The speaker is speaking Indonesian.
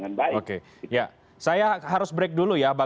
makanya parta yang mencukupi robbery unit complaining definitin